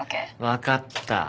分かった。